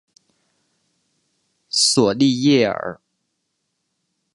索利耶尔。